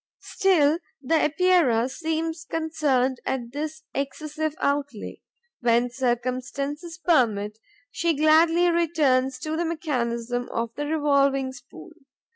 Still, the Epeira seems concerned at this excessive outlay. When circumstances permit, she gladly returns to the mechanism of the revolving spool.